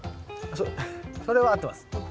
そそれは合ってます。